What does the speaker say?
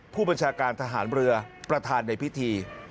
ผู้บัญชาการทหารเรือประธานในพิธี